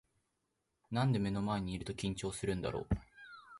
なんで目の前にいると緊張するんだろう